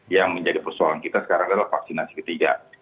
yang menjadi persoalan kita sekarang adalah vaksinasi ketiga